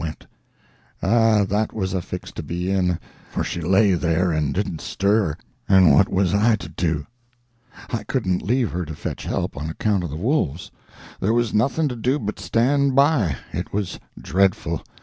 [Picture: "There was nothing to do but stand by"] "Ah, that was a fix to be in I for she lay there and didn't stir, and what was I to do? I couldn't leave her to fetch help, on account of the wolves. There was nothing to do but stand by. It was dreadful.